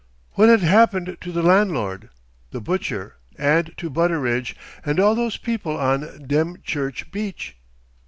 What had happened to the landlord, the butcher, and to Butteridge and all those people on Dymchurch beach?